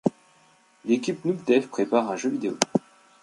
L'équipe Noob'dev prépare un jeu vidéo.